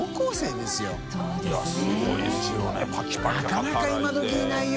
なかなか今どきいないよ。